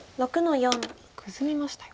グズみましたよ。